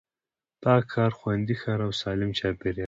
پاک ښار، خوندي ښار او سالم چاپېريال